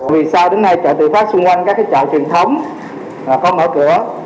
vì sao đến nay chợ tự phát xung quanh các chợ truyền thống có mở cửa